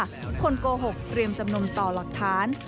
คนโกหกเตรียมจำนวนต่อหลักฐาน